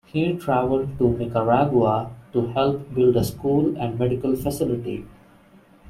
He travelled to Nicaragua to help build a school and medical facility.